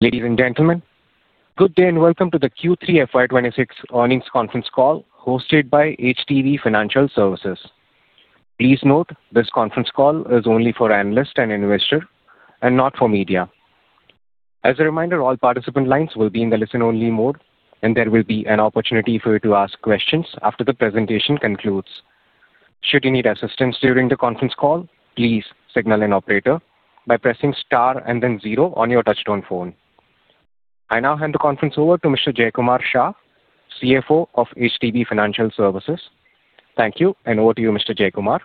Ladies and gentlemen, good day and welcome to the Q3 FY26 earnings conference call hosted by HDB Financial Services. Please note, this conference call is only for analysts and investors and not for media. As a reminder, all participant lines will be in the listen-only mode, and there will be an opportunity for you to ask questions after the presentation concludes. Should you need assistance during the conference call, please signal an operator by pressing star and then zero on your touch-tone phone. I now hand the conference over to Mr. Jaykumar Shah, CFO of HDB Financial Services. Thank you, and over to you, Mr. Jaykumar.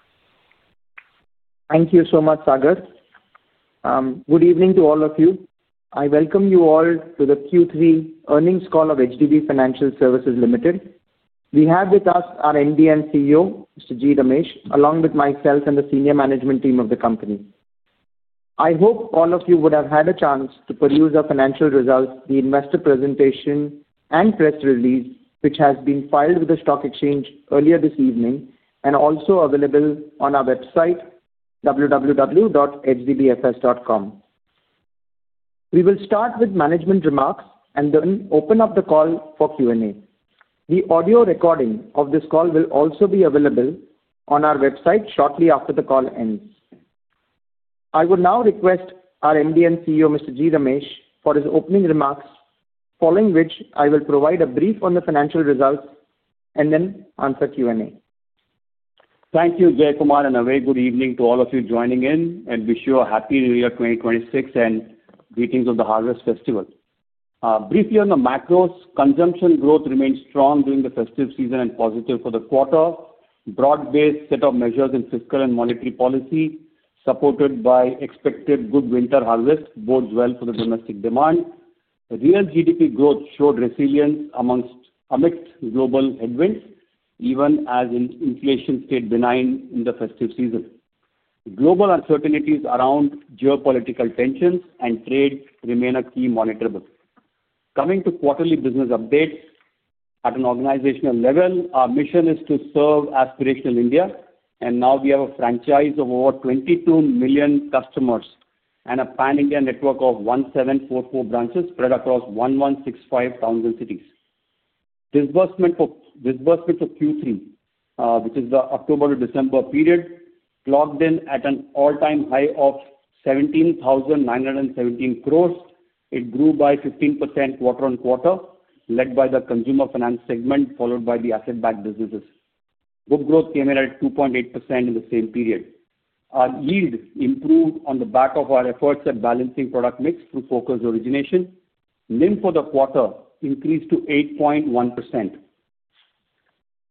Thank you so much, Sagar. Good evening to all of you. I welcome you all to the Q3 earnings call of HDB Financial Services Limited. We have with us our MD and CEO, Mr. G. Ramesh, along with myself and the senior management team of the company. I hope all of you would have had a chance to peruse our financial results, the investor presentation, and press release, which has been filed with the stock exchange earlier this evening and also available on our website, www.hdbfs.com. We will start with management remarks and then open up the call for Q&A. The audio recording of this call will also be available on our website shortly after the call ends. I would now request our MD and CEO, Mr. G. Ramesh, for his opening remarks, following which I will provide a brief on the financial results and then answer Q&A. Thank you, Jaykumar, and a very good evening to all of you joining in. I wish you a happy New Year 2026 and greetings of the Harvest Festival. Briefly on the macros, consumption growth remained strong during the festive season and positive for the quarter. Broad-based set of measures in fiscal and monetary policy supported by expected good winter harvest bodes well for the domestic demand. Real GDP growth showed resilience amidst global headwinds, even as inflation stayed benign in the festive season. Global uncertainties around geopolitical tensions and trade remain a key monitorable. Coming to quarterly business updates, at an organizational level, our mission is to serve aspirational India, and now we have a franchise of over 22 million customers and a pan-India network of 1,744 branches spread across 1,165 cities. Disbursements for Q3, which is the October to December period, clocked in at an all-time high of 17,917 crores. It grew by 15% quarter on quarter, led by the consumer finance segment, followed by the asset-backed businesses. Book growth came in at 2.8% in the same period. Our yield improved on the back of our efforts at balancing product mix through focused origination. NIM for the quarter increased to 8.1%.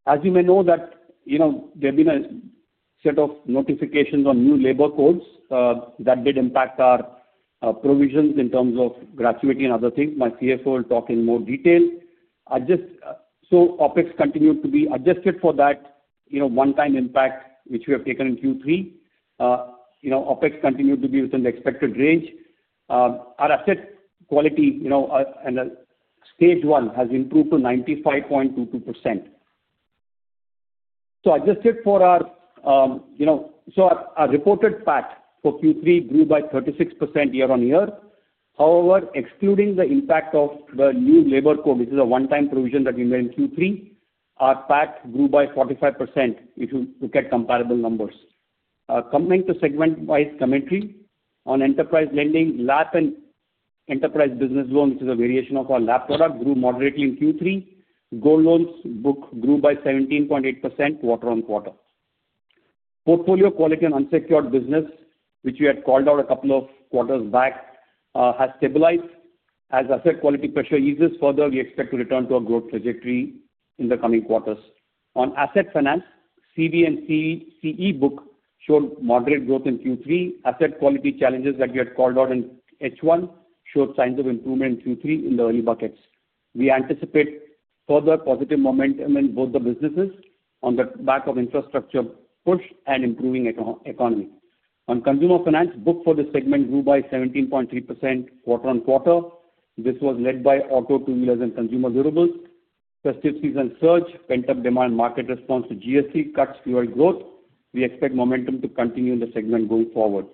As you may know, there have been a set of notifications on new labor codes that did impact our provisions in terms of gratuity and other things. My CFO will talk in more detail. So OPEX continued to be adjusted for that one-time impact, which we have taken in Q3. OPEX continued to be within the expected range. Our asset quality and stage one has improved to 95.22%. Adjusted for our reported PAT for Q3 grew by 36% year on year. However, excluding the impact of the new labor code, which is a one-time provision that we made in Q3, our PAT grew by 45% if you look at comparable numbers. Coming to segment-wise commentary, on enterprise lending, LAP and enterprise business loan, which is a variation of our LAP product, grew moderately in Q3. Go loans book grew by 17.8% quarter on quarter. Portfolio quality and unsecured business, which we had called out a couple of quarters back, has stabilized. As asset quality pressure eases further, we expect to return to a growth trajectory in the coming quarters. On asset finance, CV and CE book showed moderate growth in Q3. Asset quality challenges that we had called out in H1 showed signs of improvement in Q3 in the early buckets. We anticipate further positive momentum in both the businesses on the back of infrastructure push and improving economy. On consumer finance, book for the segment grew by 17.3% quarter on quarter. This was led by auto, two-wheelers, and consumer durables. Festive season surge, pent-up demand, market response to GSC cuts fueled growth. We expect momentum to continue in the segment going forward.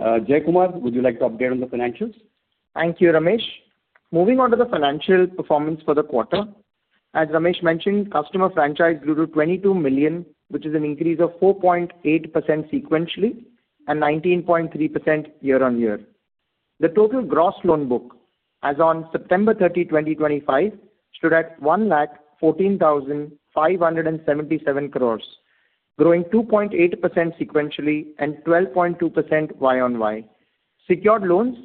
Jaykumar, would you like to update on the financials? Thank you, Ramesh. Moving on to the financial performance for the quarter. As Ramesh mentioned, customer franchise grew to 22 million, which is an increase of 4.8% sequentially and 19.3% year on year. The total gross loan book, as of September 30, 2025, stood at 114,577 crores, growing 2.8% sequentially and 12.2% Y on Y. Secured loans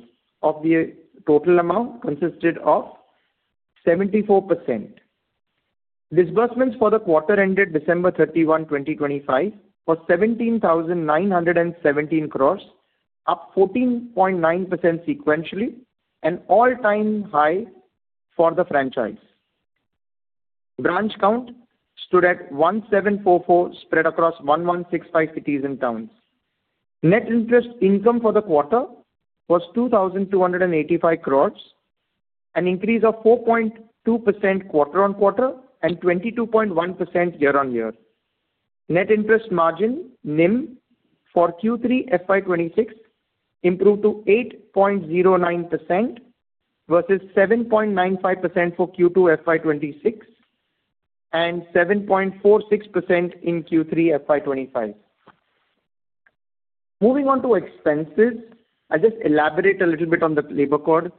of the total amount consisted of 74%. Disbursements for the quarter ended December 31, 2025, were 17,917 crores, up 14.9% sequentially, an all-time high for the franchise. Branch count stood at 1,744 spread across 1,165 cities and towns. Net interest income for the quarter was 2,285 crores, an increase of 4.2% quarter on quarter and 22.1% year on year. Net interest margin, NIM for Q3 FY26, improved to 8.09% versus 7.95% for Q2 FY26 and 7.46% in Q3 FY25. Moving on to expenses, I'll just elaborate a little bit on the labor code.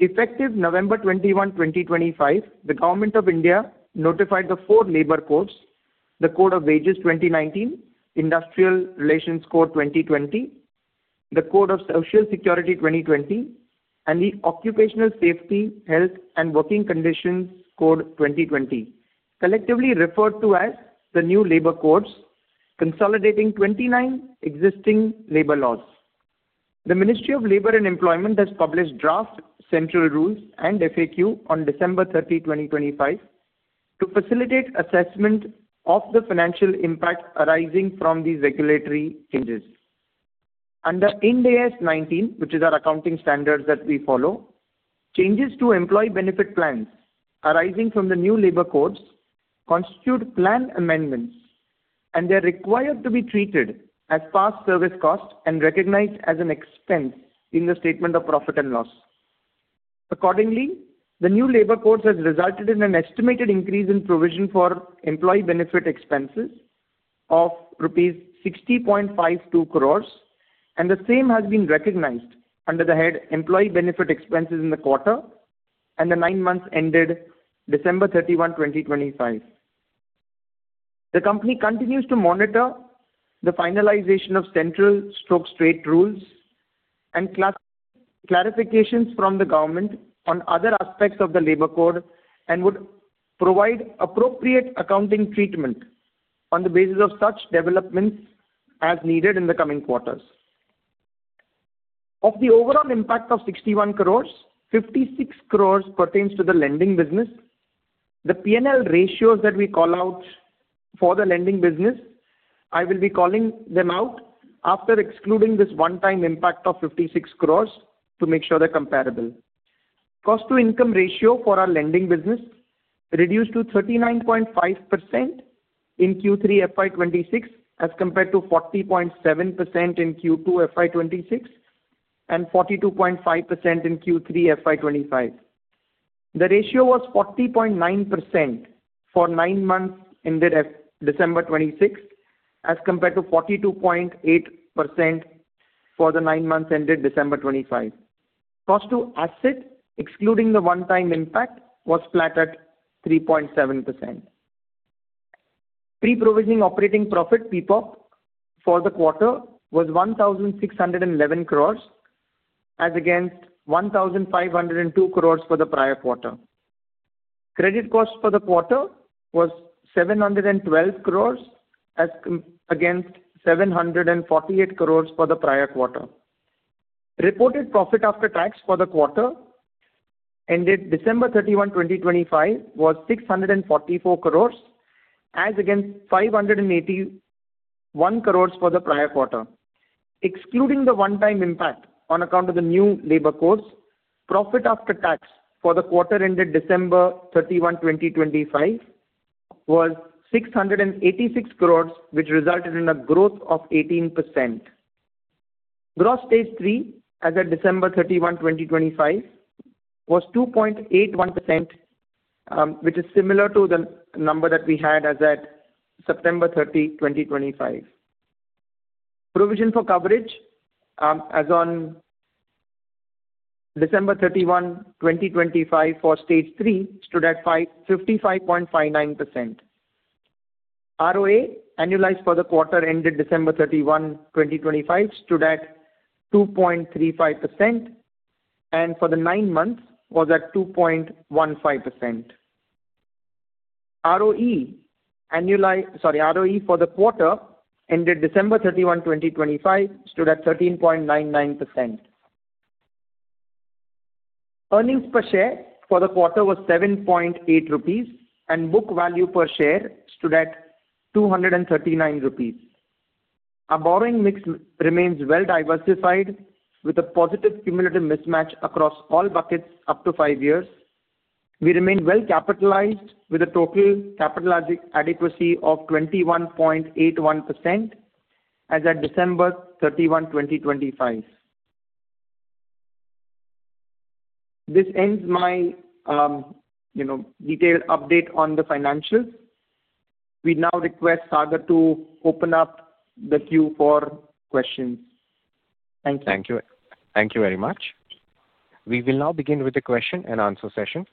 Effective November 21, 2025, the Government of India notified the four labor codes: the Code of Wages 2019, Industrial Relations Code 2020, the Code of Social Security 2020, and the Occupational Safety, Health, and Working Conditions Code 2020, collectively referred to as the new labor codes, consolidating 29 existing labor laws. The Ministry of Labor and Employment has published draft central rules and FAQ on December 30, 2025, to facilitate assessment of the financial impact arising from these regulatory changes. Under Ind AS 19, which is our accounting standard that we follow, changes to employee benefit plans arising from the new labor codes constitute plan amendments, and they are required to be treated as past service costs and recognized as an expense in the statement of profit and loss. Accordingly, the new labor codes have resulted in an estimated increase in provision for employee benefit expenses of rupees 60.52 crores, and the same has been recognized under the head employee benefit expenses in the quarter and the nine months ended December 31, 2025. The company continues to monitor the finalization of central and state rules and clarifications from the government on other aspects of the labor code and would provide appropriate accounting treatment on the basis of such developments as needed in the coming quarters. Of the overall impact of 61 crores, 56 crores pertains to the lending business. The P&L ratios that we call out for the lending business, I will be calling them out after excluding this one-time impact of 56 crores to make sure they're comparable. Cost-to-income ratio for our lending business reduced to 39.5% in Q3 FY26 as compared to 40.7% in Q2 FY26 and 42.5% in Q3 FY25. The ratio was 40.9% for nine months ended December 2026 as compared to 42.8% for the nine months ended December 2025. Cost-to-asset, excluding the one-time impact, was flat at 3.7%. Pre-provisioning operating profit PPOP for the quarter was 1,611 crores as against 1,502 crores for the prior quarter. Credit cost for the quarter was 712 crores as against 748 crores for the prior quarter. Reported profit after tax for the quarter ended December 31, 2025, was 644 crores as against 581 crores for the prior quarter. Excluding the one-time impact on account of the new labor codes, profit after tax for the quarter ended December 31, 2025, was 686 crores, which resulted in a growth of 18%. Gross Stage 3 as at December 31, 2025, was 2.81%, which is similar to the number that we had as at September 30, 2025. Provision coverage as on December 31, 2025 for Stage 3 stood at 55.59%. ROA annualized for the quarter ended December 31, 2025, stood at 2.35%, and for the nine months was at 2.15%. ROE for the quarter ended December 31, 2025, stood at 13.99%. Earnings per share for the quarter was ₹7.8, and book value per share stood at ₹239. Our borrowing mix remains well diversified with a positive cumulative mismatch across all buckets up to five years. We remain well capitalized with a total capital adequacy of 21.81% as at December 31, 2025. This ends my detailed update on the financials. We now request Sagar to open up the queue for questions. Thank you. Thank you very much. We will now begin with the question and answer session.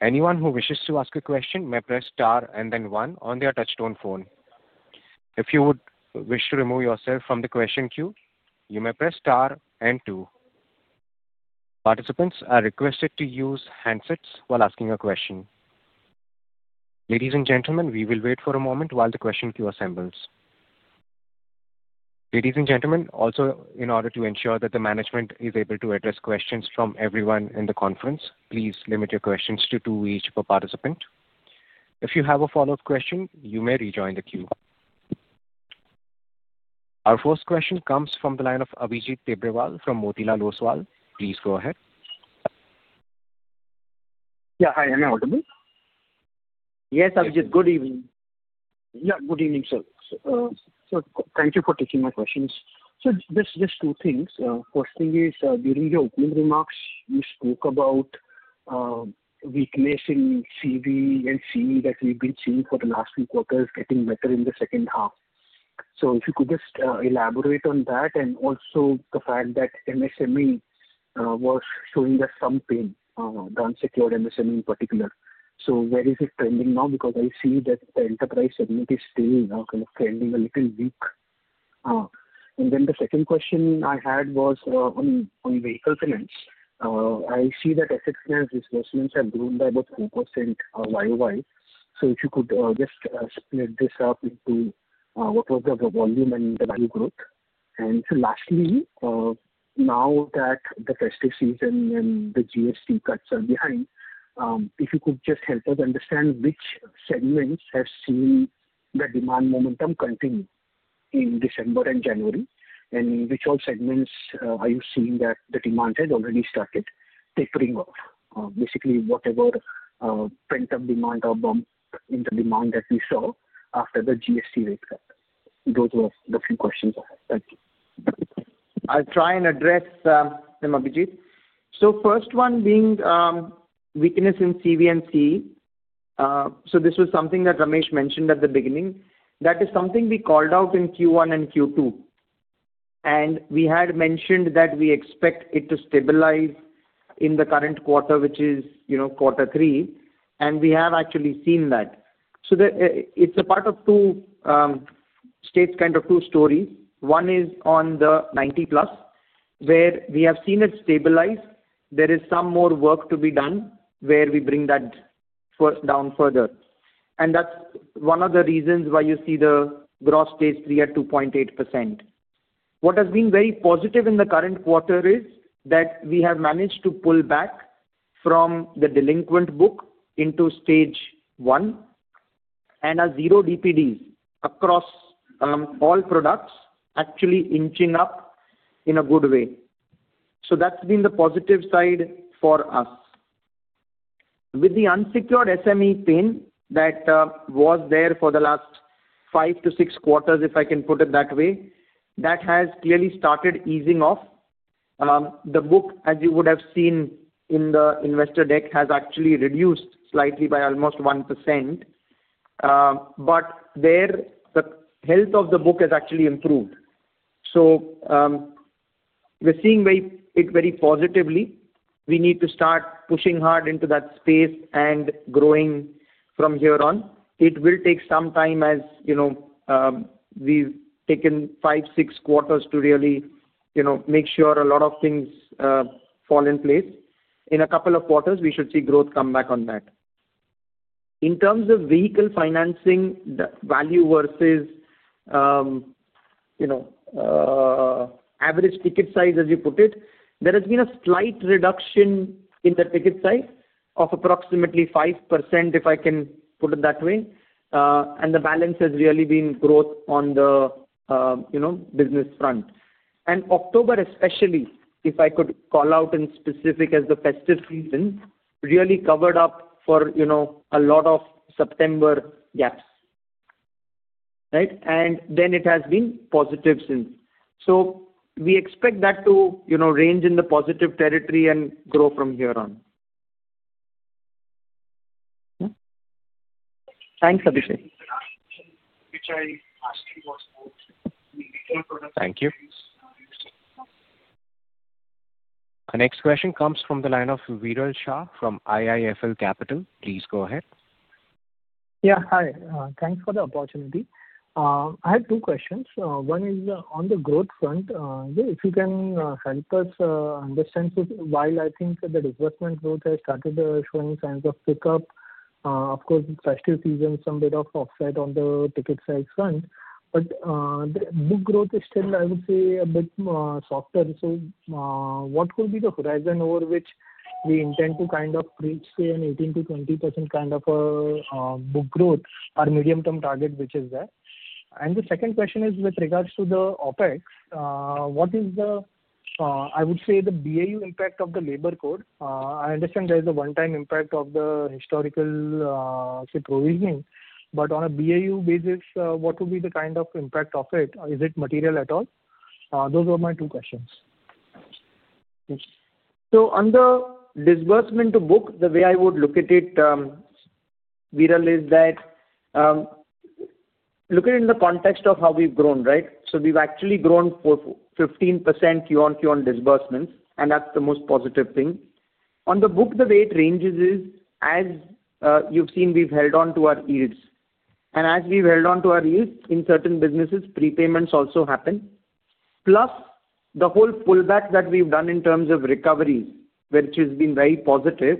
Anyone who wishes to ask a question may press star and then one on their touch-tone phone. If you would wish to remove yourself from the question queue, you may press star and two. Participants are requested to use handsets while asking a question. Ladies and gentlemen, we will wait for a moment while the question queue assembles. Ladies and gentlemen, also in order to ensure that the management is able to address questions from everyone in the conference, please limit your questions to two each per participant. If you have a follow-up question, you may rejoin the queue. Our first question comes from the line of Abhijit Tibrewal from Motilal Oswal. Please go ahead. Yeah, hi. Am I audible? Yes, Abhijit. Good evening. Yeah, good evening, sir. So thank you for taking my questions. So just two things. First thing is, during your opening remarks, you spoke about weakness in CV and CE that we've been seeing for the last few quarters getting better in the second half. So if you could just elaborate on that and also the fact that MSME was showing us some pain, the unsecured MSME in particular. So where is it trending now? Because I see that the enterprise segment is still kind of trending a little weak. And then the second question I had was on vehicle finance. I see that asset finance disbursements have grown by about 4% YOY. So if you could just split this up into what was the volume and the value growth. Lastly, now that the festive season and the GST cuts are behind, if you could just help us understand which segments have seen the demand momentum continue in December and January, and in which all segments are you seeing that the demand has already started tapering off? Basically, whatever pent-up demand or bump in the demand that we saw after the GST rate cut. Those were the few questions I had. Thank you. I'll try and address them, Abhijit. So first one being weakness in CV and CE. So this was something that Ramesh mentioned at the beginning. That is something we called out in Q1 and Q2. And we had mentioned that we expect it to stabilize in the current quarter, which is quarter three. And we have actually seen that. So it's a part of two states, kind of two stories. One is on the 90 plus, where we have seen it stabilize. There is some more work to be done where we bring that down further. And that's one of the reasons why you see the gross stage three at 2.8%. What has been very positive in the current quarter is that we have managed to pull back from the delinquent book into stage one and our zero DPDs across all products actually inching up in a good way. So that's been the positive side for us. With the unsecured SME pain that was there for the last five to six quarters, if I can put it that way, that has clearly started easing off. The book, as you would have seen in the investor deck, has actually reduced slightly by almost 1%. But there, the health of the book has actually improved. So we're seeing it very positively. We need to start pushing hard into that space and growing from here on. It will take some time as we've taken five, six quarters to really make sure a lot of things fall in place. In a couple of quarters, we should see growth come back on that. In terms of vehicle financing, value versus average ticket size, as you put it, there has been a slight reduction in the ticket size of approximately 5%, if I can put it that way, and the balance has really been growth on the business front, and October, especially, if I could call out in specific as the festive season, really covered up for a lot of September gaps, right, and then it has been positive since, so we expect that to range in the positive territory and grow from here on. Thanks, Abhijit. Thank you. Our next question comes from the line of Viral Shah from IIFL Capital. Please go ahead. Yeah, hi. Thanks for the opportunity. I have two questions. One is on the growth front. If you can help us understand why I think the disbursement growth has started showing signs of pickup. Of course, festive season, some bit of offset on the ticket size front. But the book growth is still, I would say, a bit softer. So what will be the horizon over which we intend to kind of reach, say, an 18%-20% kind of a book growth, our medium-term target, which is there? And the second question is with regards to the OpEx. What is the, I would say, the BAU impact of the labor code? I understand there is a one-time impact of the historical provisioning. But on a BAU basis, what would be the kind of impact of it? Is it material at all? Those were my two questions. So on the disbursement to book, the way I would look at it, Viral, is that look at it in the context of how we've grown, right? So we've actually grown 15% Q1, Q1 disbursements. And that's the most positive thing. On the book, the way it ranges is, as you've seen, we've held on to our yields. And as we've held on to our yields, in certain businesses, prepayments also happen. Plus, the whole pullback that we've done in terms of recoveries, which has been very positive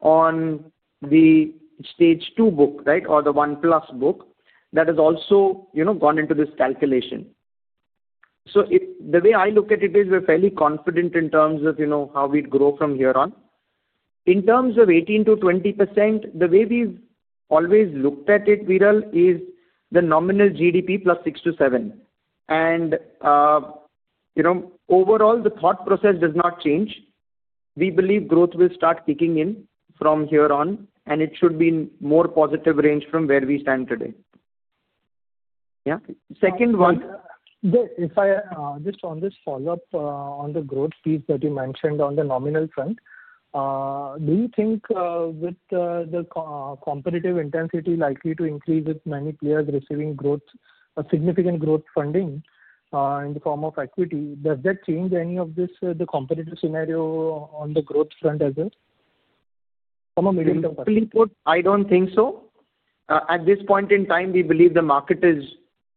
on the stage two book, right, or the one-plus book, that has also gone into this calculation. So the way I look at it is we're fairly confident in terms of how we'd grow from here on. In terms of 18%-20%, the way we've always looked at it, Viral, is the nominal GDP plus six to seven. Overall, the thought process does not change. We believe growth will start kicking in from here on, and it should be in more positive range from where we stand today. Yeah? Second one. Just on this follow-up on the growth piece that you mentioned on the nominal front, do you think with the competitive intensity likely to increase with many players receiving significant growth funding in the form of equity, does that change any of this, the competitive scenario on the growth front as well? From a medium-term perspective. I don't think so. At this point in time, we believe the market is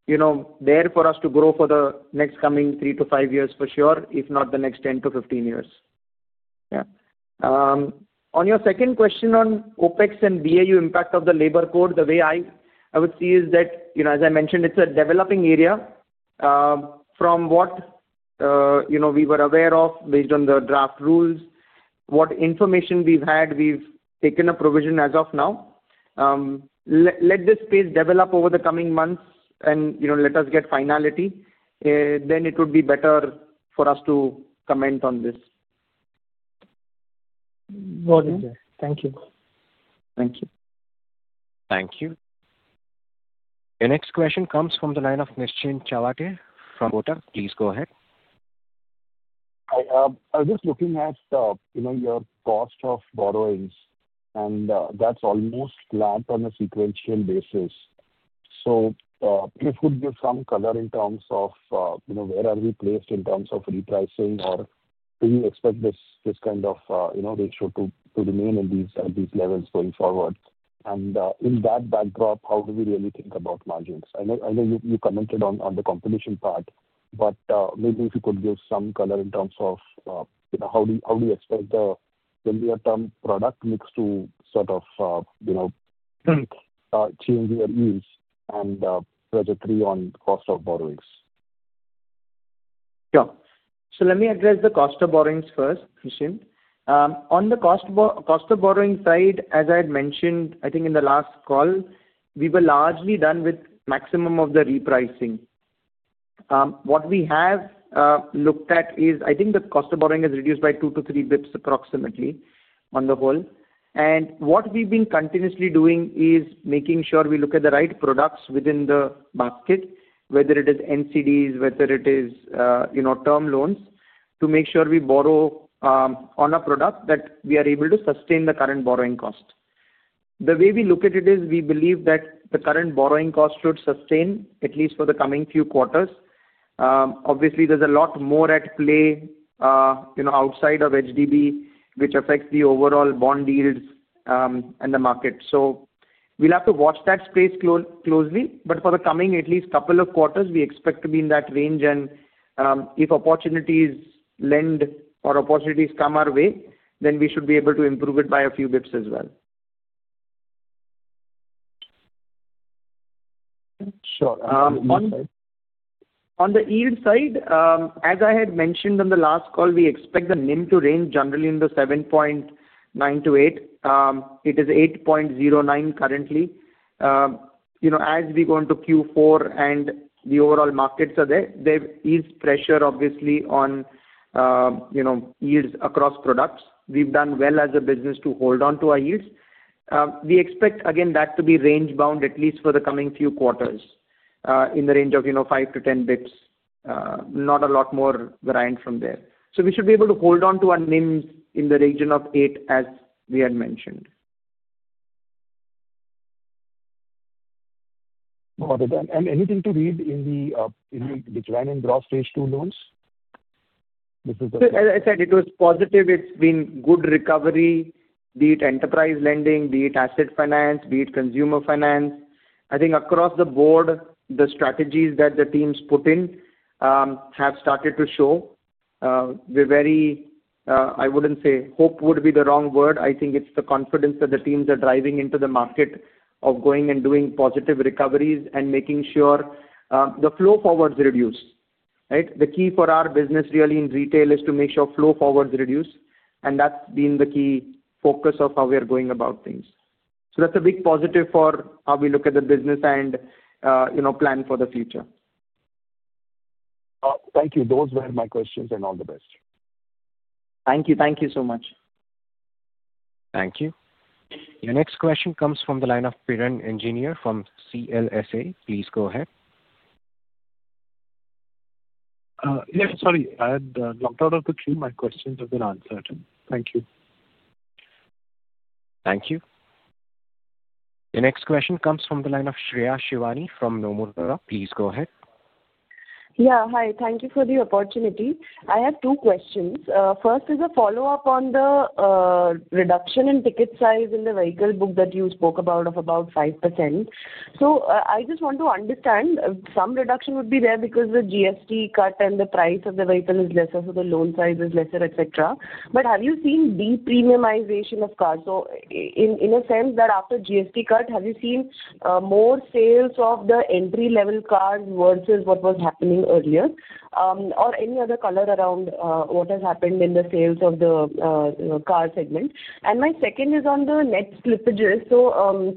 there for us to grow for the next coming three to five years for sure, if not the next 10 to 15 years. Yeah. On your second question on OpEx and BAU impact of the labor code, the way I would see is that, as I mentioned, it's a developing area. From what we were aware of based on the draft rules, what information we've had, we've taken a provision as of now. Let this space develop over the coming months and let us get finality. Then it would be better for us to comment on this. Thank you. Thank you. Thank you. Your next question comes from the line of Nishin Chawate from BofA Securities. Please go ahead. I was just looking at your cost of borrowings, and that's almost flat on a sequential basis, so if you would give some color in terms of where are we placed in terms of repricing, or do you expect this kind of ratio to remain at these levels going forward, and in that backdrop, how do we really think about margins? I know you commented on the competition part, but maybe if you could give some color in terms of how do you expect the medium-term product mix to sort of change your yields and trajectory on cost of borrowings? Sure. So let me address the cost of borrowings first, Nishin. On the cost of borrowing side, as I had mentioned, I think in the last call, we were largely done with maximum of the repricing. What we have looked at is I think the cost of borrowing has reduced by two to three basis points approximately on the whole. And what we've been continuously doing is making sure we look at the right products within the basket, whether it is NCDs, whether it is term loans, to make sure we borrow on a product that we are able to sustain the current borrowing cost. The way we look at it is we believe that the current borrowing cost should sustain, at least for the coming few quarters. Obviously, there's a lot more at play outside of HDB, which affects the overall bond yields and the market. So we'll have to watch that space closely. But for the coming at least couple of quarters, we expect to be in that range. And if opportunities lend or opportunities come our way, then we should be able to improve it by a few basis points as well. Sure. On yield side. On the yield side, as I had mentioned on the last call, we expect the NIM to range generally in the 7.9%-8%. It is 8.09% currently. As we go into Q4 and the overall markets are there, there is pressure, obviously, on yields across products. We've done well as a business to hold on to our yields. We expect, again, that to be range-bound, at least for the coming few quarters, in the range of 5-10 basis points, not a lot more variant from there. So we should be able to hold on to our NIMs in the region of 8%, as we had mentioned. Got it. And anything to read in the declining gross stage two loans? As I said, it was positive. It's been good recovery, be it enterprise lending, be it asset finance, be it consumer finance. I think across the board, the strategies that the teams put in have started to show. I wouldn't say hope would be the wrong word. I think it's the confidence that the teams are driving into the market of going and doing positive recoveries and making sure the flow forwards reduce. Right? The key for our business really in retail is to make sure flow forwards reduce. And that's been the key focus of how we are going about things. So that's a big positive for how we look at the business and plan for the future. Thank you. Those were my questions and all the best. Thank you. Thank you so much. Thank you. Your next question comes from the line of Piran Engineer from CLSA. Please go ahead. Yeah, sorry. I had logged out of the queue. My questions have been answered. Thank you. Thank you. Your next question comes from the line of Shreya Shivani from Nomura. Please go ahead. Yeah, hi. Thank you for the opportunity. I have two questions. First is a follow-up on the reduction in ticket size in the vehicle book that you spoke about of about 5%. So I just want to understand some reduction would be there because the GST cut and the price of the vehicle is lesser, so the loan size is lesser, etc. But have you seen de-premiumization of cars? So in a sense that after GST cut, have you seen more sales of the entry-level cars versus what was happening earlier? Or any other color around what has happened in the sales of the car segment, and my second is on the net slippages. So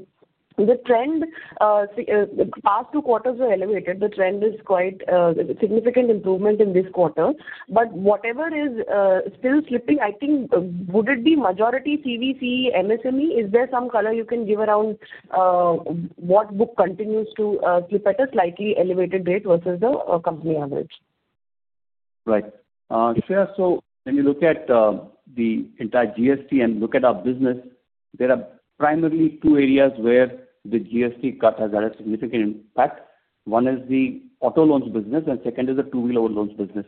the trend, past two quarters were elevated. The trend is quite significant improvement in this quarter. But whatever is still slipping, I think, would it be majority CVC, MSME? Is there some color you can give around what book continues to slip at a slightly elevated rate versus the company average? Right. Shreya, so when you look at the entire GST and look at our business, there are primarily two areas where the GST cut has had a significant impact. One is the auto loans business, and second is the two-wheeler loans business.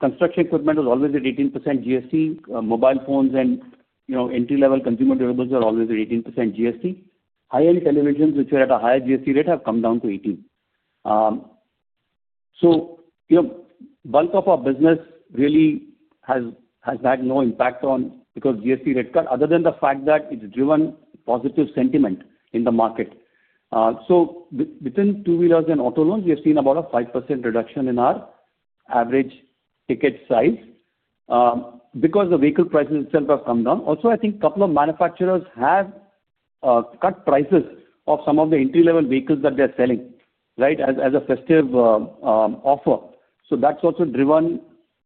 Construction equipment was always at 18% GST. Mobile phones and entry-level consumer durables are always at 18% GST. High-end televisions, which are at a higher GST rate, have come down to 18%, so the bulk of our business really has had no impact from the GST rate cut, other than the fact that it's driven positive sentiment in the market, so within two-wheelers and auto loans, we have seen about a 5% reduction in our average ticket size because the vehicle prices themselves have come down. Also, I think a couple of manufacturers have cut prices of some of the entry-level vehicles that they're selling, right, as a festive offer. So that's also driven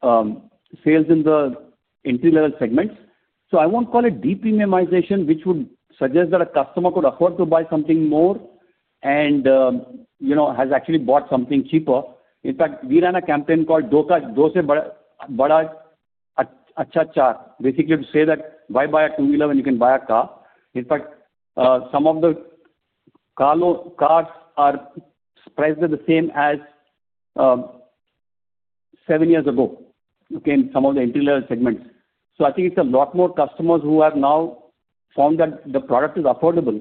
sales in the entry-level segments. So I won't call it de-premiumization, which would suggest that a customer could afford to buy something more and has actually bought something cheaper. In fact, we ran a campaign called दो से बड़ा अच्छा चार, basically to say that why buy a two-wheeler when you can buy a car? In fact, some of the cars are priced at the same as seven years ago, okay, in some of the entry-level segments. So I think it's a lot more customers who have now found that the product is affordable.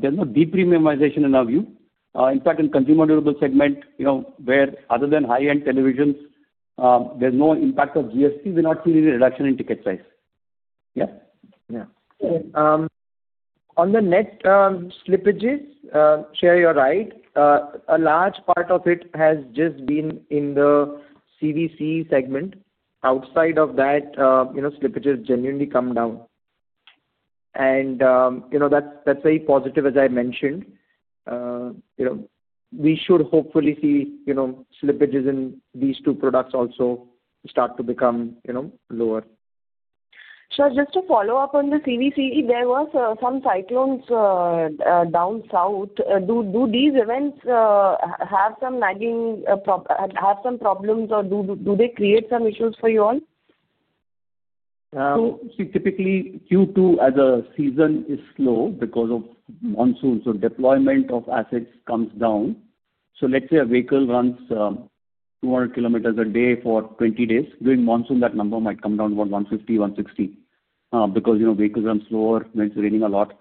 There's no de-premiumization in our view. In fact, in the Consumer Durables segment, where other than high-end televisions, there's no impact of GST, we're not seeing any reduction in ticket size. Yeah? Yeah. On the net slippages, Shreya, you're right. A large part of it has just been in the CVC segment. Outside of that, slippages genuinely come down. And that's very positive, as I mentioned. We should hopefully see slippages in these two products also start to become lower. Shreya, just to follow up on the CV, there were some cyclones down south. Do these events have some problems, or do they create some issues for you all? Typically, Q2 as a season is slow because of monsoons. Deployment of assets comes down. Let's say a vehicle runs 200 kilometers a day for 20 days. During monsoon, that number might come down to about 150-160 because vehicles run slower when it's raining a lot.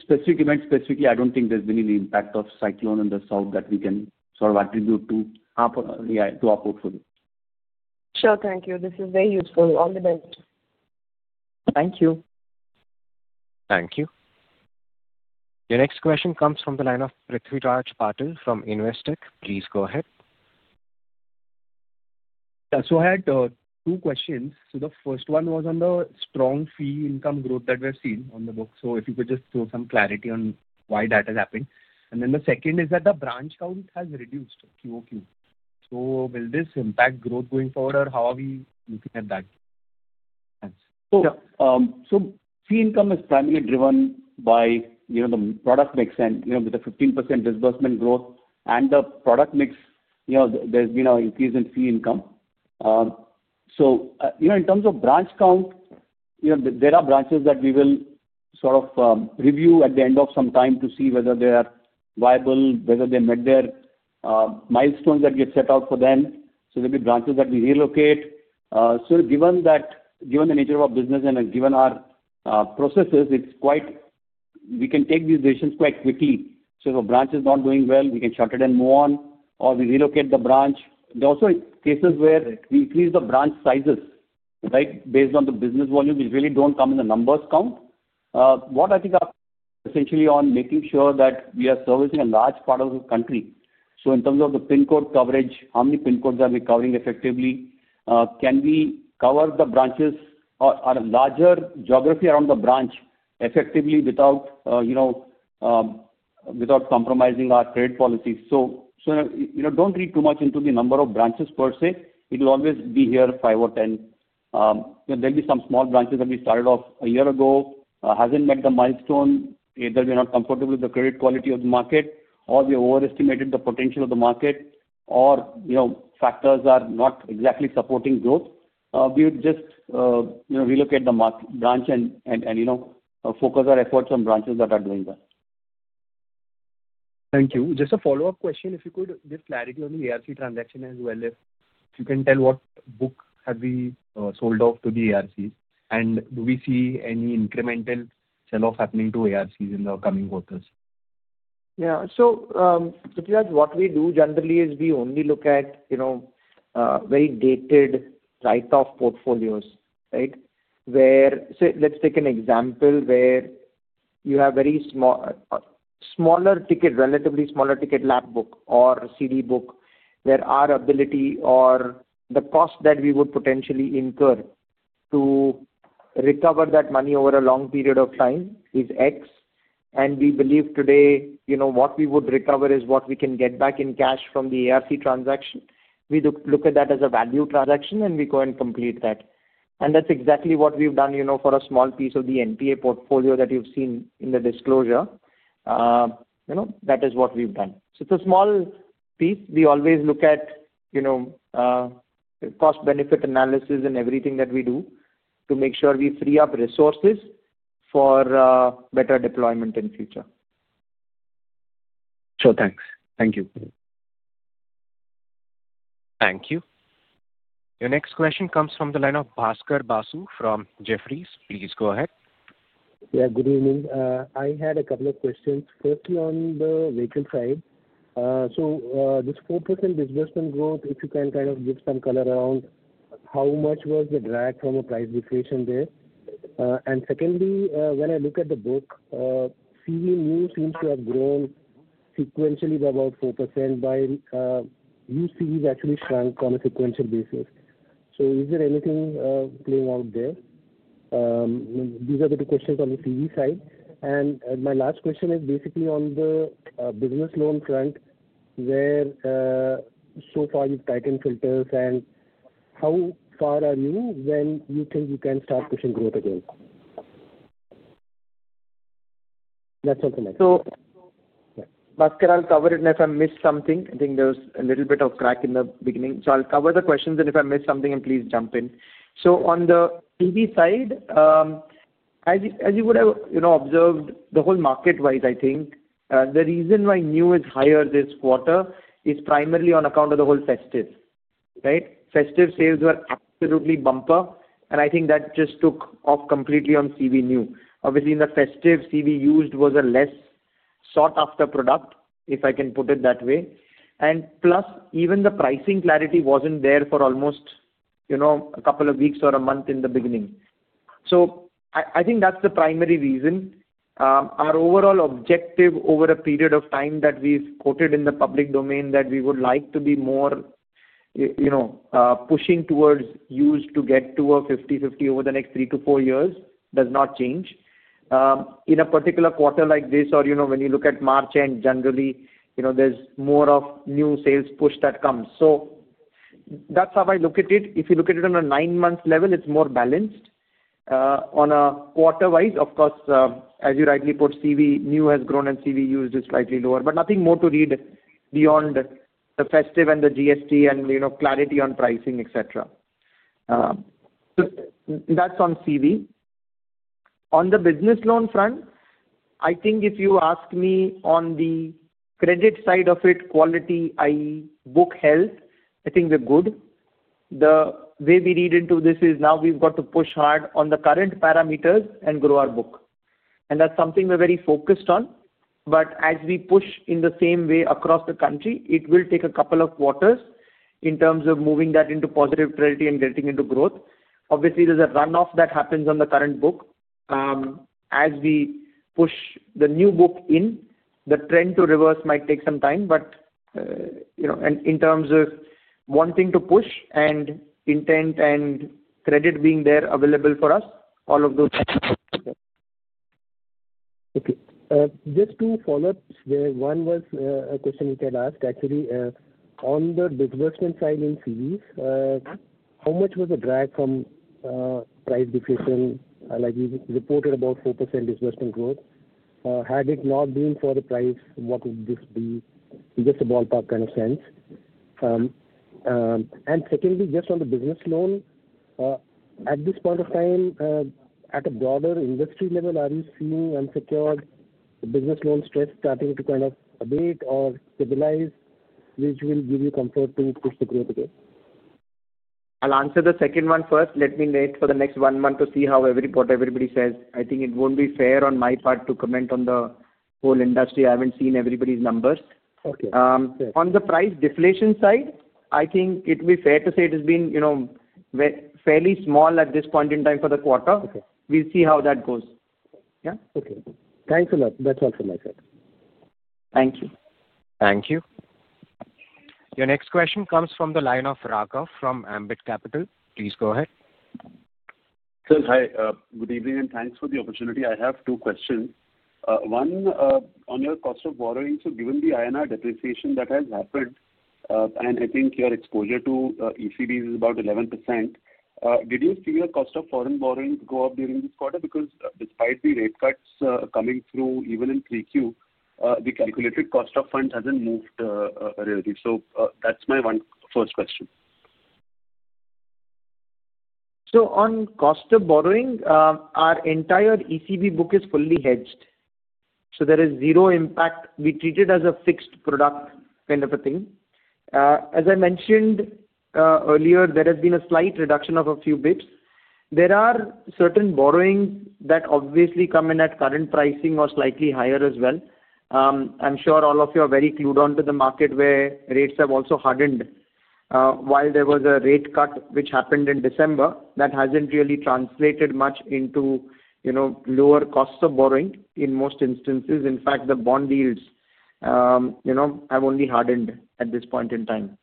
Specific events, specifically, I don't think there's been any impact of cyclone in the south that we can sort of attribute to our portfolio. Sure. Thank you. This is very useful. All the best. Thank you. Thank you. Your next question comes from the line of Prithviraj Patil from Investec. Please go ahead. Yeah. So I had two questions. So the first one was on the strong fee income growth that we have seen on the book. So if you could just throw some clarity on why that has happened. And then the second is that the branch count has reduced, QOQ. So will this impact growth going forward, or how are we looking at that? So fee income is primarily driven by the product mix. And with the 15% disbursement growth and the product mix, there's been an increase in fee income. So in terms of branch count, there are branches that we will sort of review at the end of some time to see whether they are viable, whether they met their milestones that we have set out for them. So there'll be branches that we relocate. So given the nature of our business and given our processes, we can take these decisions quite quickly. So if a branch is not doing well, we can shut it and move on, or we relocate the branch. There are also cases where we increase the branch sizes, right, based on the business volume, which really don't come in the numbers count. What I think. Essentially on making sure that we are servicing a large part of the country. So in terms of the PIN code coverage, how many PIN codes are we covering effectively? Can we cover the branches or a larger geography around the branch effectively without compromising our credit policies? So don't read too much into the number of branches per se. It will always be here, five or 10. There'll be some small branches that we started off a year ago, hasn't met the milestone. Either we're not comfortable with the credit quality of the market, or we overestimated the potential of the market, or factors are not exactly supporting growth. We would just relocate the branch and focus our efforts on branches that are doing well. Thank you. Just a follow-up question. If you could give clarity on the ARC transaction as well, if you can tell what book have we sold off to the ARCs, and do we see any incremental sell-off happening to ARCs in the coming quarters? Yeah. So what we do generally is we only look at very dated write-off portfolios, right? Let's take an example where you have a relatively smaller ticket LAP book or CD book where our ability or the cost that we would potentially incur to recover that money over a long period of time is X. And we believe today what we would recover is what we can get back in cash from the ARC transaction. We look at that as a value transaction, and we go and complete that. And that's exactly what we've done for a small piece of the NPA portfolio that you've seen in the disclosure. That is what we've done. So it's a small piece. We always look at cost-benefit analysis and everything that we do to make sure we free up resources for better deployment in the future. Sure. Thanks. Thank you. Thank you. Your next question comes from the line of Bhaskar Basu from Jefferies. Please go ahead. Yeah. Good evening. I had a couple of questions. Firstly, on the vehicle side, so this 4% disbursement growth, if you can kind of give some color around how much was the drag from a price deflation there? And secondly, when I look at the book, new CVs seems to have grown sequentially by about 4%, while new CVs actually shrunk on a sequential basis. So is there anything playing out there? These are the two questions on the CV side. And my last question is basically on the business loan front, where so far you've tightened filters, and how far are you when you think you can start pushing growth again? That's all from my side. Bhaskar, I'll cover it. And if I missed something, I think there was a little bit of crack in the beginning. I'll cover the questions, and if I missed something, please jump in. On the CV side, as you would have observed, the whole market-wise, I think the reason why new is higher this quarter is primarily on account of the whole festive, right? Festive sales were absolutely bumper, and I think that just took off completely on CV new. Obviously, in the festive, CV used was a less sought-after product, if I can put it that way. And plus, even the pricing clarity wasn't there for almost a couple of weeks or a month in the beginning. I think that's the primary reason. Our overall objective over a period of time that we've quoted in the public domain that we would like to be more pushing towards used to get to a 50/50 over the next three to four years does not change. In a particular quarter like this, or when you look at March end, generally, there's more of new sales push that comes. So that's how I look at it. If you look at it on a nine-month level, it's more balanced. On a quarter-wise, of course, as you rightly put, CV new has grown and CV used is slightly lower. But nothing more to read beyond the festive and the GST and clarity on pricing, etc. So that's on CV. On the business loan front, I think if you ask me on the credit side of it, quality, i.e., book health, I think we're good. The way we read into this is now we've got to push hard on the current parameters and grow our book. And that's something we're very focused on. But as we push in the same way across the country, it will take a couple of quarters in terms of moving that into positive clarity and getting into growth. Obviously, there's a runoff that happens on the current book. As we push the new book in, the trend to reverse might take some time. But in terms of wanting to push and intent and credit being there available for us, all of those things. Okay. Just two follow-ups. One was a question you had asked, actually. On the disbursement side in CVs, how much was the drag from price deflation? You reported about 4% disbursement growth. Had it not been for the price, what would this be? Just a ballpark kind of sense. And secondly, just on the business loan, at this point of time, at a broader industry level, are you seeing unsecured business loan stress starting to kind of abate or stabilize, which will give you comfort to push the growth again? I'll answer the second one first. Let me wait for the next one month to see what everybody says. I think it won't be fair on my part to comment on the whole industry. I haven't seen everybody's numbers. On the price deflation side, I think it would be fair to say it has been fairly small at this point in time for the quarter. We'll see how that goes. Yeah? Okay. Thanks a lot. That's all from my side. Thank you. Thank you. Your next question comes from the line of Raghav from Ambit Capital. Please go ahead. Sir, hi. Good evening and thanks for the opportunity. I have two questions. One, on your cost of borrowing, so given the INR depreciation that has happened, and I think your exposure to ECB is about 11%, did you see your cost of foreign borrowing go up during this quarter? Because despite the rate cuts coming through, even in 3Q, the calculated cost of fund hasn't moved really. So that's my first question. So on cost of borrowing, our entire ECB book is fully hedged. So there is zero impact. We treat it as a fixed product kind of a thing. As I mentioned earlier, there has been a slight reduction of a few basis points. There are certain borrowings that obviously come in at current pricing or slightly higher as well. I'm sure all of you are very clued on to the market where rates have also hardened while there was a rate cut which happened in December. That hasn't really translated much into lower costs of borrowing in most instances. In fact, the bond yields have only hardened at this point in time.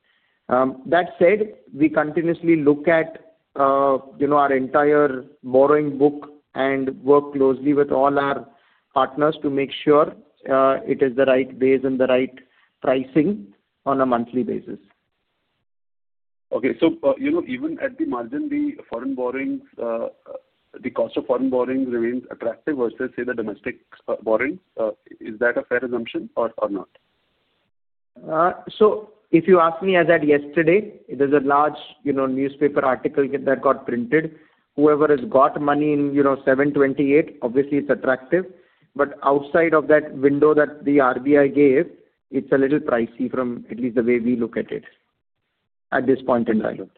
That said, we continuously look at our entire borrowing book and work closely with all our partners to make sure it is the right base and the right pricing on a monthly basis. Okay. So even at the margin, the cost of foreign borrowing remains attractive versus, say, the domestic borrowing. Is that a fair assumption or not? So if you ask me as at yesterday, there's a large newspaper article that got printed. Whoever has got money in 728, obviously, it's attractive. But outside of that window that the RBI gave, it's a little pricey from at least the way we look at it at this point in time.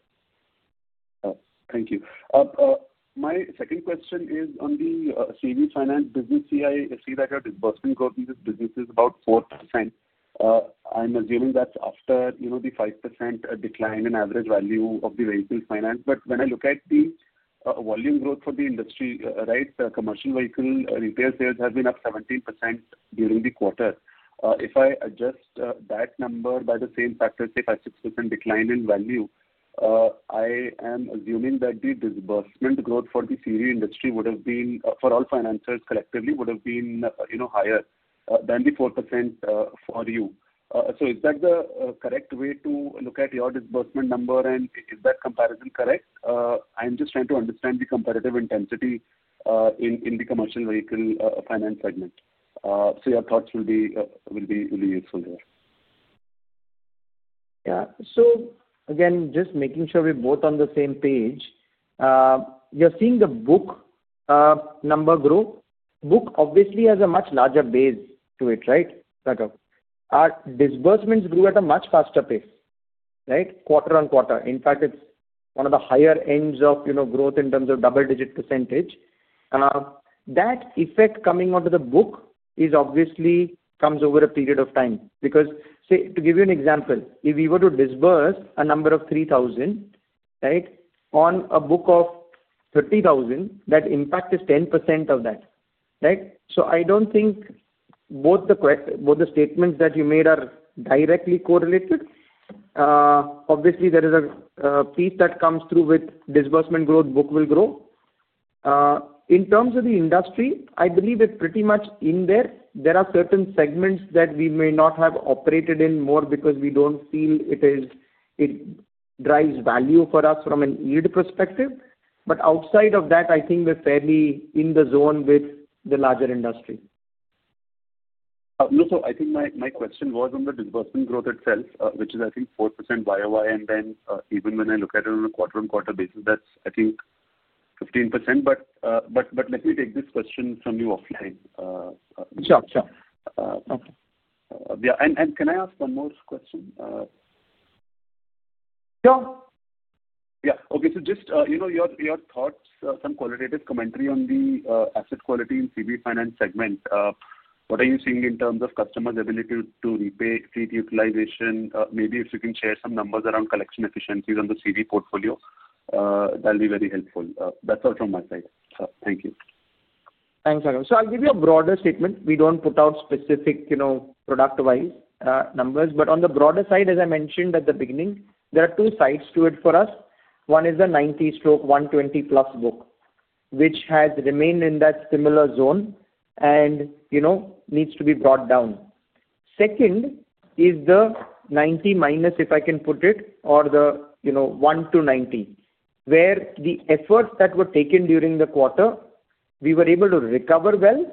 Thank you. My second question is on the CV finance business. I see that your disbursement growth in this business is about 4%. I'm assuming that's after the 5% decline in average value of the vehicle finance. But when I look at the volume growth for the industry, right, commercial vehicle retail sales have been up 17% during the quarter. If I adjust that number by the same factor, say, 5%-6% decline in value, I am assuming that the disbursement growth for the CV industry would have been, for all financers collectively, would have been higher than the 4% for you. So is that the correct way to look at your disbursement number, and is that comparison correct? I'm just trying to understand the comparative intensity in the commercial vehicle finance segment. So your thoughts will be really useful here. Yeah. So again, just making sure we're both on the same page. You're seeing the book number grow. Book obviously has a much larger base to it, right, Raghav? Disbursements grew at a much faster pace, right, quarter on quarter. In fact, it's one of the higher ends of growth in terms of double-digit %. That effect coming onto the book obviously comes over a period of time. Because, say, to give you an example, if we were to disburse a number of 3,000, right, on a book of 30,000, that impact is 10% of that, right? So I don't think both the statements that you made are directly correlated. Obviously, there is a piece that comes through with disbursement growth. Book will grow. In terms of the industry, I believe we're pretty much in there. There are certain segments that we may not have operated in more because we don't feel it drives value for us from a yield perspective. But outside of that, I think we're fairly in the zone with the larger industry. No, so I think my question was on the disbursement growth itself, which is, I think, 4% YOY. And then even when I look at it on a quarter-on-quarter basis, that's, I think, 15%. But let me take this question from you offline. Sure. Sure. Yeah, and can I ask one more question? Sure. Yeah. Okay. So just your thoughts, some qualitative commentary on the asset quality in CV finance segment. What are you seeing in terms of customers' ability to repay, seat utilization? Maybe if you can share some numbers around collection efficiencies on the CV portfolio, that'll be very helpful. That's all from my side. So thank you. Thanks, Raghav. So I'll give you a broader statement. We don't put out specific product-wise numbers. But on the broader side, as I mentioned at the beginning, there are two sides to it for us. One is the 90/120 plus book, which has remained in that similar zone and needs to be brought down. Second is the 90 minus, if I can put it, or the 1 to 90, where the efforts that were taken during the quarter, we were able to recover well.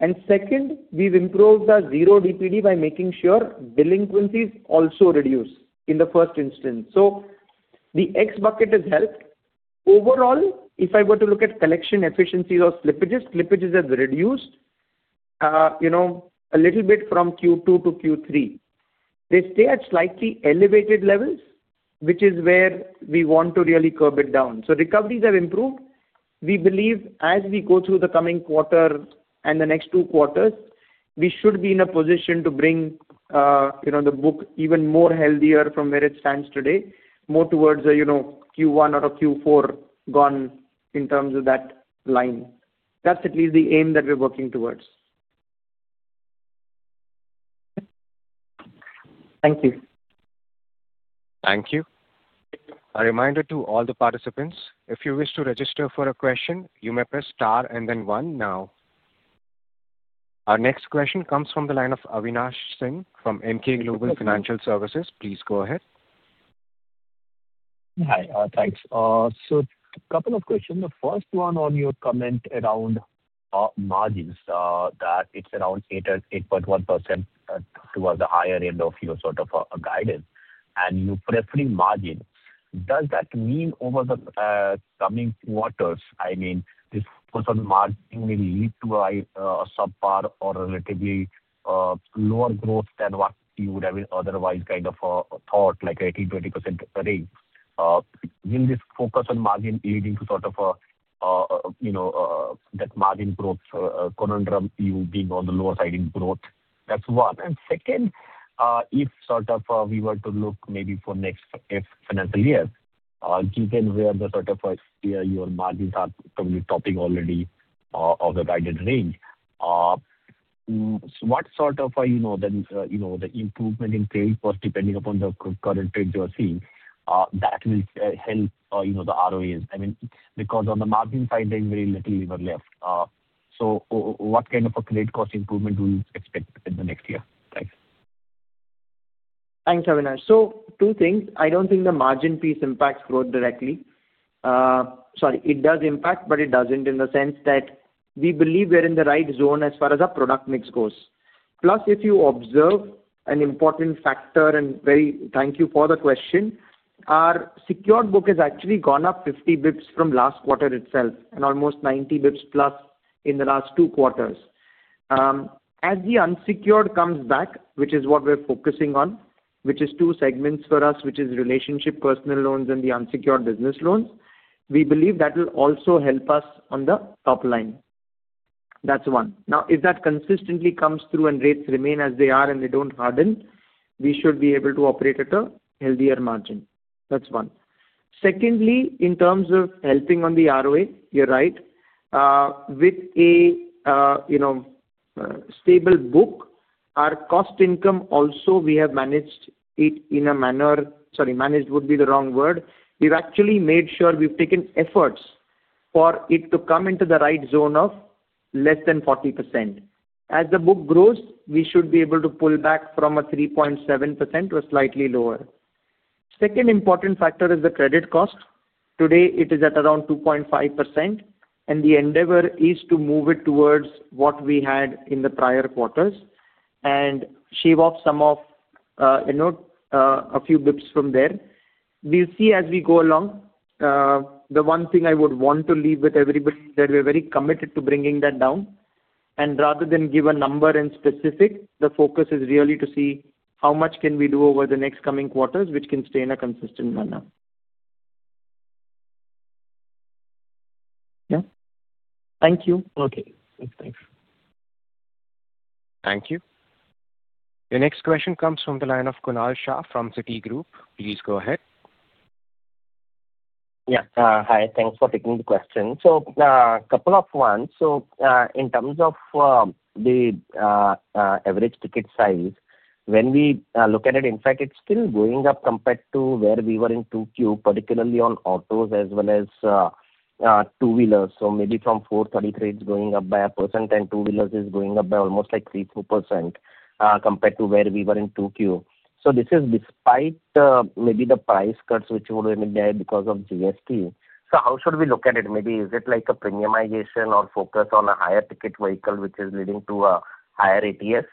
And second, we've improved the zero DPD by making sure delinquencies also reduce in the first instance. So the X bucket has helped. Overall, if I were to look at collection efficiencies or slippages, slippages have reduced a little bit from Q2 to Q3. They stay at slightly elevated levels, which is where we want to really curb it down. So recoveries have improved. We believe as we go through the coming quarter and the next two quarters, we should be in a position to bring the book even more healthier from where it stands today, more towards a Q1 or a Q4 gone in terms of that line. That's at least the aim that we're working towards. Thank you. Thank you. A reminder to all the participants, if you wish to register for a question, you may press star and then one now. Our next question comes from the line of Avinash Singh from MK Global Financial Services. Please go ahead. Hi. Thanks. So a couple of questions. The first one on your comment around margins, that it's around 8.1% towards the higher end of your sort of guidance, and you preferred margins. Does that mean over the coming quarters, I mean, this margin will lead to a subpar or relatively lower growth than what you would have otherwise kind of thought, like 18%-20% range? Will this focus on margin leading to sort of that margin growth conundrum, you being on the lower side in growth? That's one. Second, if sort of we were to look maybe for next financial year, given where the sort of your margins are probably topping already of the guided range, what sort of then the improvement in trends was depending upon the current trends you are seeing, that will help the ROEs? I mean, because on the margin side, there is very little lever left. So what kind of a credit cost improvement will you expect in the next year? Thanks. Thanks, Avinash. So two things. I don't think the margin piece impacts growth directly. Sorry, it does impact, but it doesn't in the sense that we believe we're in the right zone as far as our product mix goes. Plus, if you observe an important factor, and thank you for the question, our secured book has actually gone up 50 basis points from last quarter itself and almost 90 basis points plus in the last two quarters. As the unsecured comes back, which is what we're focusing on, which is two segments for us, which is relationship personal loans and the unsecured business loans, we believe that will also help us on the top line. That's one. Now, if that consistently comes through and rates remain as they are and they don't harden, we should be able to operate at a healthier margin. That's one. Secondly, in terms of helping on the ROE, you're right. With a stable book, our cost income also, we have managed it in a manner, sorry, managed would be the wrong word. We've actually made sure we've taken efforts for it to come into the right zone of less than 40%. As the book grows, we should be able to pull back from a 3.7% to a slightly lower. Second important factor is the credit cost. Today, it is at around 2.5%, and the endeavor is to move it towards what we had in the prior quarters and shave off some of a few basis points from there. We'll see as we go along. The one thing I would want to leave with everybody is that we're very committed to bringing that down. And rather than give a number in specific, the focus is really to see how much can we do over the next coming quarters, which can stay in a consistent manner. Yeah? Thank you. Okay. Thanks. Thank you. Your next question comes from the line of Kunal Shah from Citigroup. Please go ahead. Yeah. Hi. Thanks for taking the question. So a couple of ones. So in terms of the average ticket size, when we look at it, in fact, it's still going up compared to where we were in 2Q, particularly on autos as well as two-wheelers. So maybe from 4.33, it's going up by 1%, and two-wheelers is going up by almost like 3%-4% compared to where we were in 2Q. So this is despite maybe the price cuts which were made because of GST. So how should we look at it? Maybe is it like a premiumization or focus on a higher ticket vehicle which is leading to a higher ATS?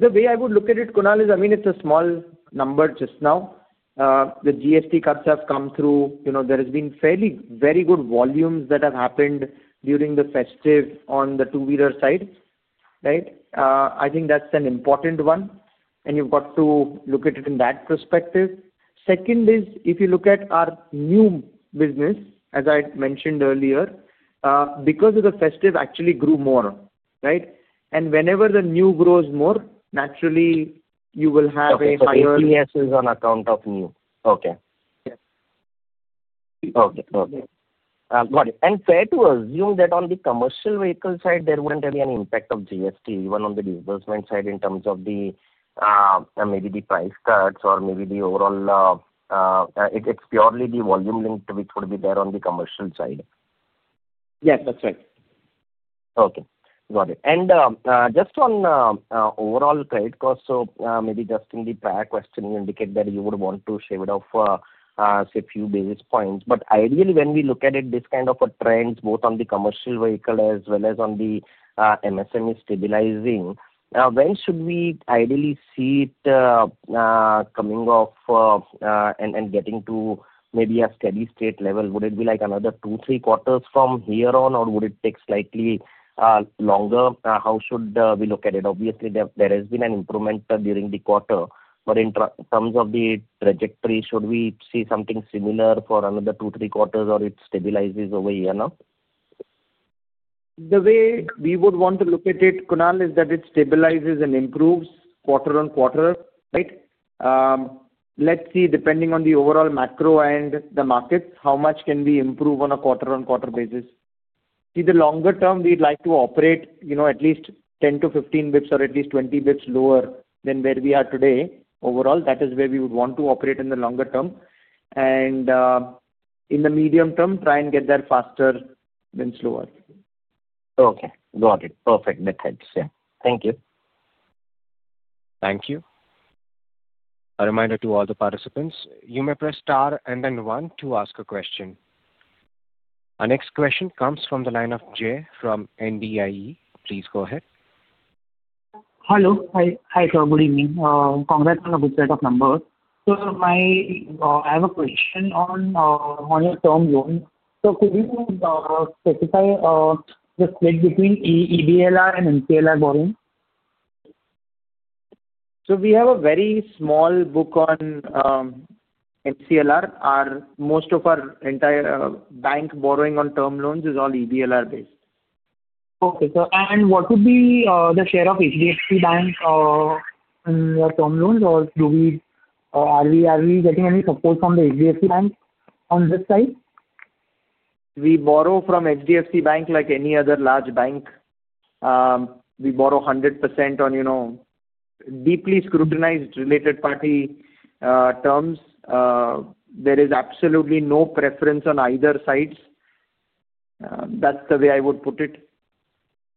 The way I would look at it, Kunal, is I mean, it's a small number just now. The GST cuts have come through. There has been fairly very good volumes that have happened during the festive on the two-wheeler side, right? I think that's an important one. And you've got to look at it in that perspective. Second is, if you look at our new business, as I mentioned earlier, because of the festive, actually grew more, right? And whenever the new grows more, naturally, you will have a higher. So the ATS is on account of new. Okay. Yes. Okay. Okay. Got it. And fair to assume that on the commercial vehicle side, there wouldn't have been any impact of GST, even on the disbursement side in terms of maybe the price cuts or maybe the overall, it's purely the volume linked to which would be there on the commercial side. Yes, that's right. Okay. Got it. And just on overall credit cost, so maybe just in the prior question, you indicated that you would want to shave it off a few basis points. But ideally, when we look at it, this kind of a trend, both on the commercial vehicle as well as on the MSME stabilizing, when should we ideally see it coming off and getting to maybe a steady state level? Would it be like another two, three quarters from here on, or would it take slightly longer? How should we look at it? Obviously, there has been an improvement during the quarter. But in terms of the trajectory, should we see something similar for another two, three quarters, or it stabilizes over a year now? The way we would want to look at it, Kunal, is that it stabilizes and improves quarter on quarter, right? Let's see, depending on the overall macro and the markets, how much can we improve on a quarter-on-quarter basis? In the longer term, we'd like to operate at least 10-15 basis points or at least 20 basis points lower than where we are today. Overall, that is where we would want to operate in the longer term, and in the medium term, try and get there faster than slower. Okay. Got it. Perfect. That helps. Yeah. Thank you. Thank you. A reminder to all the participants, you may press star and then one to ask a question. Our next question comes from the line of Jay from NDIE. Please go ahead. Hello. Hi, sir. Good evening. Congrats on a good set of numbers. So I have a question on your term loan. So could you specify the split between EBLR and MCLR borrowing? So we have a very small book on MCLR. Most of our entire bank borrowing on term loans is all EBLR-based. Okay. And what would be the share of HDFC Bank in your term loans, or are we getting any support from the HDFC Bank on this side? We borrow from HDFC Bank like any other large bank. We borrow 100% on deeply scrutinized related party terms. There is absolutely no preference on either sides. That's the way I would put it.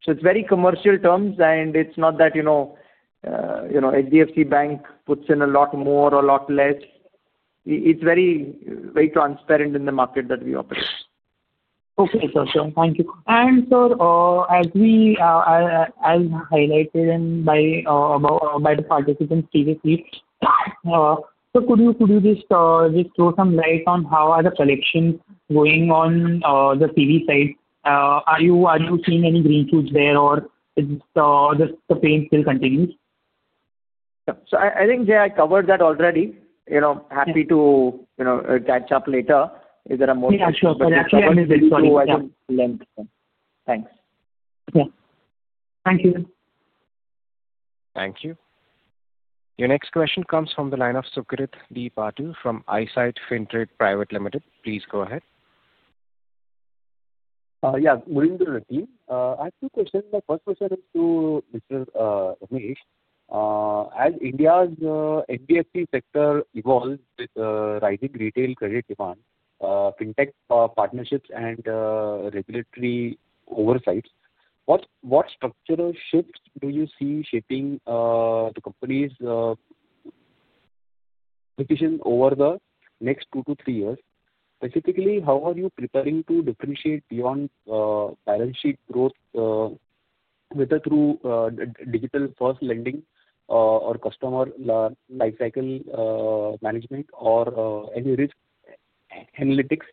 So it's very commercial terms, and it's not that HDFC Bank puts in a lot more or a lot less. It's very transparent in the market that we operate. Okay. Thank you. And sir, as highlighted by the participants previously, so could you just throw some light on how are the collections going on the CV side? Are you seeing any green shoots there, or is the pain still continuing? So I think, Jay, I covered that already. Happy to catch up later. Is there a more specific question? Yeah. Sure. I didn't lend. Thanks. Okay. Thank you. Thank you. Your next question comes from the line of Sukrit Deepatu from Eyesight Fintrade Private Limited. Please go ahead. Yeah. Good evening, Raki. I have two questions. My first question is to Mr. Ramesh. As India's NBFC sector evolves with rising retail credit demand, fintech partnerships, and regulatory oversights, what structural shifts do you see shaping the company's position over the next two to three years? Specifically, how are you preparing to differentiate beyond balance sheet growth, whether through digital-first lending or customer lifecycle management or any risk analytics?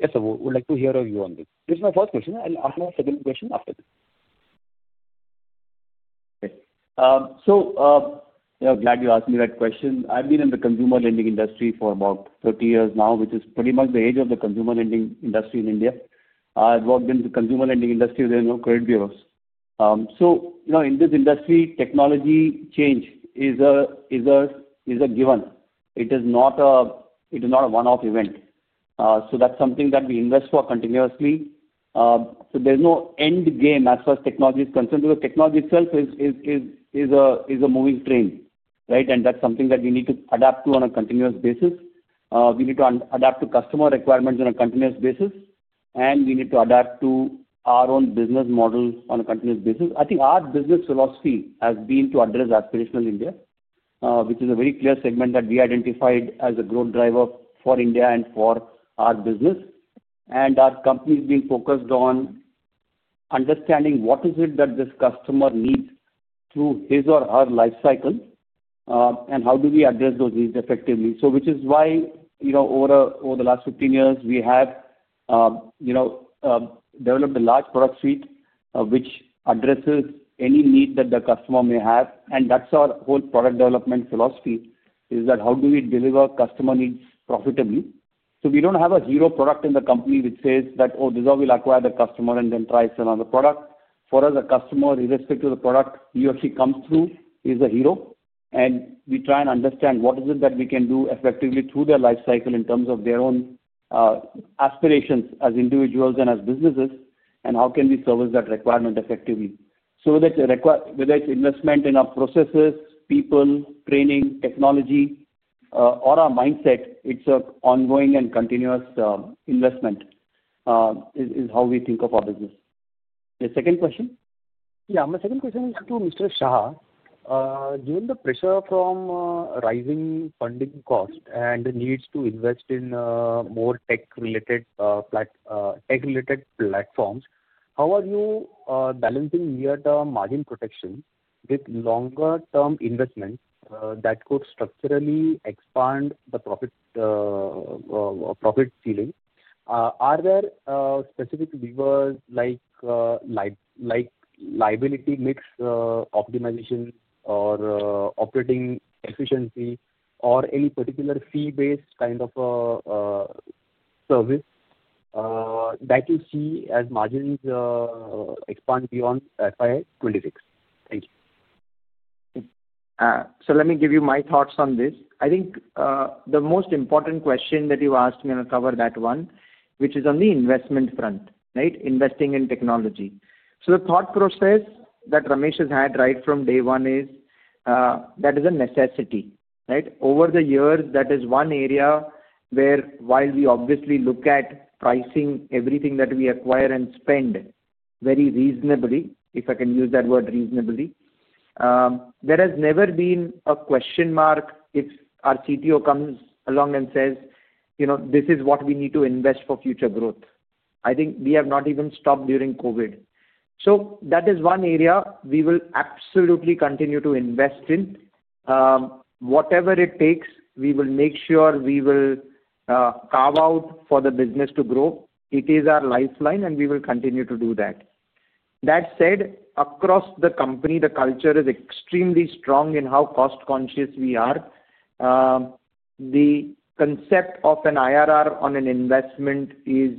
Yes, I would like to hear your view on this. This is my first question, and I have a second question after this. Okay. So glad you asked me that question. I've been in the consumer lending industry for about 30 years now, which is pretty much the age of the consumer lending industry in India. I've worked in the consumer lending industry within credit bureaus. So in this industry, technology change is a given. It is not a one-off event. So that's something that we invest for continuously. So there's no end game as far as technology is concerned because technology itself is a moving train, right? And that's something that we need to adapt to on a continuous basis. We need to adapt to customer requirements on a continuous basis, and we need to adapt to our own business model on a continuous basis. I think our business philosophy has been to address aspirational India, which is a very clear segment that we identified as a growth driver for India and for our business. And our company has been focused on understanding what is it that this customer needs through his or her lifecycle, and how do we address those needs effectively? So which is why over the last 15 years, we have developed a large product suite which addresses any need that the customer may have. And that's our whole product development philosophy, is that how do we deliver customer needs profitably? So we don't have a hero product in the company which says that, "Oh, this is how we'll acquire the customer and then try some other product." For us, a customer, irrespective of the product he or she comes through, is a hero. And we try and understand what is it that we can do effectively through their lifecycle in terms of their own aspirations as individuals and as businesses, and how can we service that requirement effectively? So whether it's investment in our processes, people, training, technology, or our mindset, it's an ongoing and continuous investment is how we think of our business. Your second question? Yeah. My second question is to Mr. Shah. Given the pressure from rising funding costs and the needs to invest in more tech-related platforms, how are you balancing near-term margin protection with longer-term investments that could structurally expand the profit ceiling? Are there specific levers like liability mix optimization or operating efficiency or any particular fee-based kind of service that you see as margins expand beyond FY26? Thank you. So let me give you my thoughts on this. I think the most important question that you've asked me, and I'll cover that one, which is on the investment front, right? Investing in technology. So the thought process that Ramesh has had right from day one is that is a necessity, right? Over the years, that is one area where, while we obviously look at pricing everything that we acquire and spend very reasonably, if I can use that word, reasonably, there has never been a question mark if our CTO comes along and says, "This is what we need to invest for future growth." I think we have not even stopped during COVID. So that is one area we will absolutely continue to invest in. Whatever it takes, we will make sure we will carve out for the business to grow. It is our lifeline, and we will continue to do that. That said, across the company, the culture is extremely strong in how cost-conscious we are. The concept of an IRR on an investment is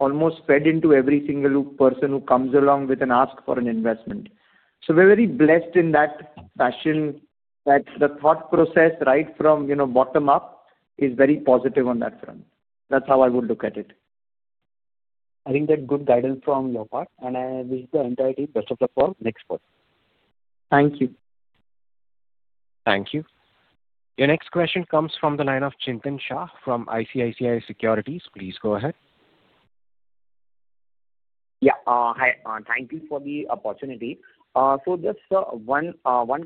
almost fed into every single person who comes along with an ask for an investment. So we're very blessed in that fashion that the thought process right from bottom up is very positive on that front. That's how I would look at it. I think that's good guidance from your part, and I wish the entire team best of luck for the next quarter. Thank you. Thank you. Your next question comes from the line of Chintan Shah from ICICI Securities. Please go ahead. Yeah. Hi. Thank you for the opportunity. So just one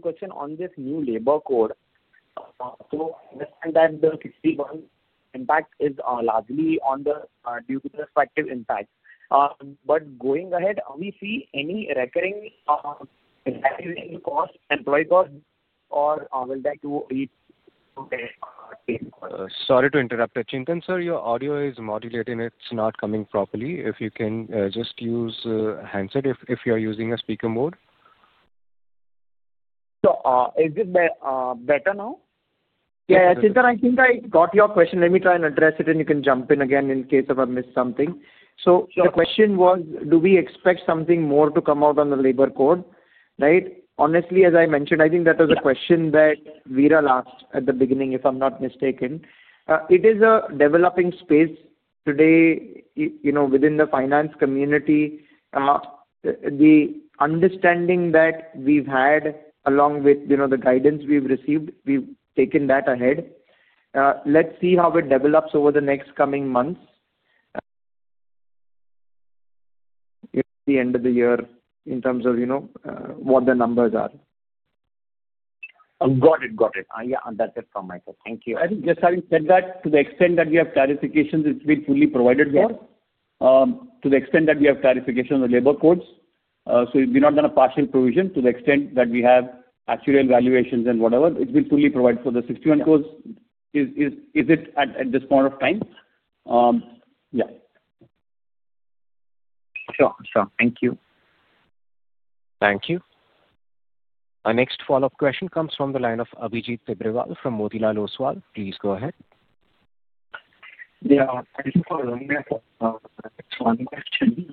question on this new labor code. So understand that the 61 impact is largely on the gratuity perspective impact. But going ahead, we see any recurring impact in cost, employee cost, or will that be okay? Sorry to interrupt there. Chintan Shah, sir, your audio is modulating. It's not coming properly. If you can just use handset, if you're using a speaker mode. So is it better now? Yeah. Chintan, I think I got your question. Let me try and address it, and you can jump in again in case I missed something. So the question was, do we expect something more to come out on the labor code, right? Honestly, as I mentioned, I think that was a question that Veera asked at the beginning, if I'm not mistaken. It is a developing space today within the finance community. The understanding that we've had along with the guidance we've received, we've taken that ahead. Let's see how it develops over the next coming months at the end of the year in terms of what the numbers are. Got it. Got it. Yeah. That's it from my side. Thank you. I think just having said that, to the extent that we have clarifications, it's been fully provided here. To the extent that we have clarification on the labor codes, so it's been not done a partial provision to the extent that we have actual valuations and whatever, it's been fully provided for the 61 codes. Is it at this point of time? Yeah. Sure. Sure. Thank you. Thank you. Our next follow-up question comes from the line of Abhijit Tibrewal from Motilal Oswal. Please go ahead. Yeah. Thank you for running that. One question.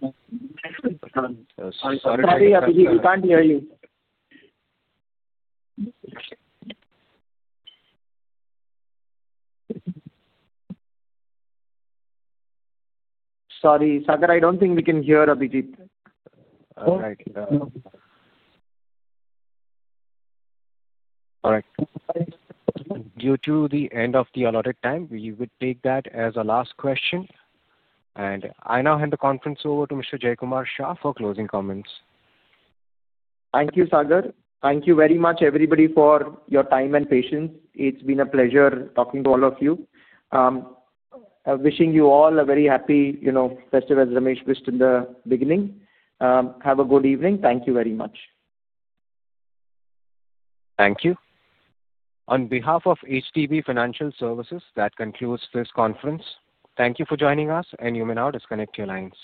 Sorry, Abhijit. We can't hear you. Sorry, Sagar. I don't think we can hear Abhijit. All right. All right. Due to the end of the allotted time, we would take that as a last question. And I now hand the conference over to Mr. Jaykumar Shah for closing comments. Thank you, Sagar. Thank you very much, everybody, for your time and patience. It's been a pleasure talking to all of you. Wishing you all a very happy festive, as Ramesh wished in the beginning. Have a good evening. Thank you very much. Thank you. On behalf of HDB Financial Services, that concludes this conference. Thank you for joining us, and you may now disconnect your lines.